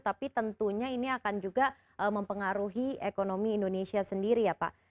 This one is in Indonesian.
tapi tentunya ini akan juga mempengaruhi ekonomi indonesia sendiri ya pak